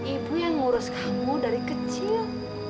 ibu yang ngurus kamu dari kecil